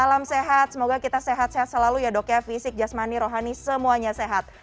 salam sehat semoga kita sehat sehat selalu ya dok ya fisik jasmani rohani semuanya sehat